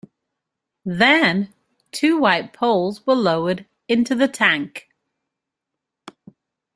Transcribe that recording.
Then, two white poles were lowered into the tank.